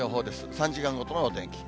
３時間ごとのお天気。